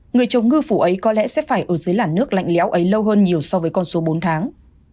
người trồng ngư phủ ấy có lẽ sẽ phải ở dưới làn nước lạnh léo ấy lâu hơn nhiều so với con số bốn tháng